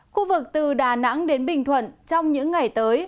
khu vực từ đà nẵng đến bình thuận trong những ngày tới